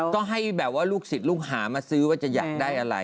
ต้องให้ลูกศิลป์ลูกหามาซื้อว่าจะอยากได้อะไร